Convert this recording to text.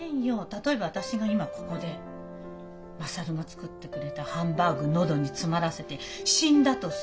例えば私が今ここで優が作ってくれたハンバーグ喉に詰まらせて死んだとするわね。